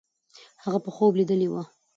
هغه به خوب لیدلی وي.